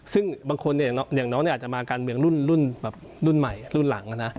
ซึ่งบางคนเนี่ยอย่างน้องอาจจะมาการเมืองรุ่นใหม่รุ่นหลังนะ